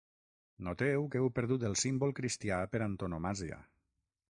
Noteu que heu perdut el símbol cristià per antonomàsia.